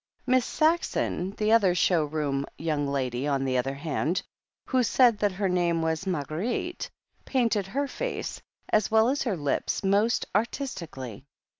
Miss Saxon, the other show room "young lady" on the other hand, who said that her name was Marguerite, painted her face, as well as her lips, most artistically.